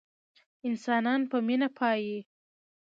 انسانان په مينه پايي